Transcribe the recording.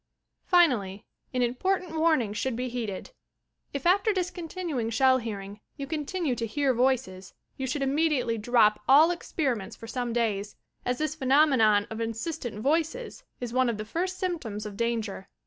Finally, an important warning should be heeded. If after discontinuing Shell Hearing, you continue to "hear voices" you should immediately drop all experiments for some days, as this phenomenon of "insistent voices" is one of the first symptoms of danger.